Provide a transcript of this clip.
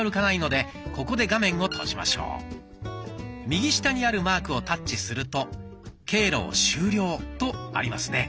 右下にあるマークをタッチすると「経路を終了」とありますね。